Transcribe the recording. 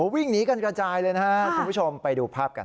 วิ่งหนีกันกระจายเลยนะครับคุณผู้ชมไปดูภาพกัน